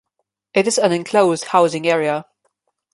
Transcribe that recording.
It is an enclosed housing area.